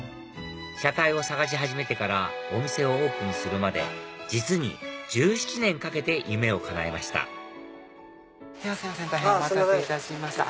車体を探し始めてからお店をオープンするまで実に１７年かけて夢をかなえました大変お待たせいたしました。